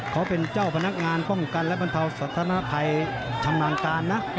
เขาเป็นเจ้าพนักงานป้องกันและบรรเทาสถานภัยชำนาญการนะ